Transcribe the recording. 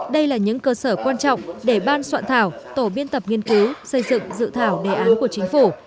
đây là những cơ sở quan trọng để ban soạn thảo tổ biên tập nghiên cứu xây dựng dự thảo đề án của chính phủ